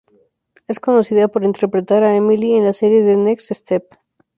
Es conocida por interpretar a Emily en la serie The Next Step.